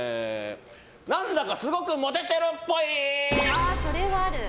何だかすごくモテてるっぽい。